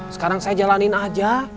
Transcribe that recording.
sekarang saya jalanin aja